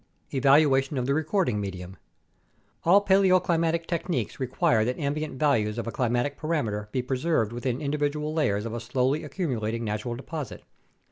Evaluation of the Recording Medium All paleoclimatic techniques require that ambient values of a climatic parameter be preserved within individual layers of a slowly accumulating natural deposit.